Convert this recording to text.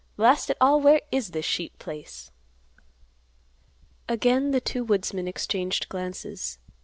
Blast it all, where is this sheep place?" Again the two woodsmen exchanged glances.